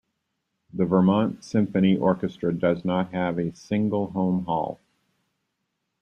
The Vermont Symphony Orchestra does not have a single home hall.